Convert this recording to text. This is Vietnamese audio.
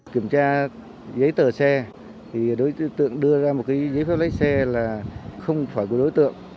kiểm tra giấy tờ xe thì đối tượng đưa ra một giấy phép lấy xe là không phải của đối tượng